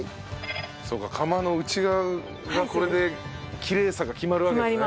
そうか釜の内側はこれできれいさが決まるわけですね。